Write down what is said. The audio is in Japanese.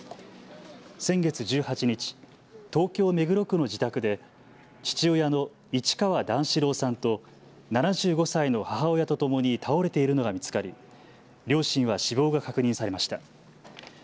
先月１８日、東京目黒区の自宅で父親の市川段四郎さんと７５歳の母親とともに倒れているのが見つかり両親は死亡が確認されました。